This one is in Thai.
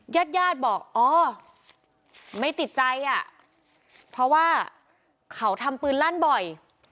ญาติญาติบอกอ๋อไม่ติดใจอ่ะเพราะว่าเขาทำปืนลั่นบ่อย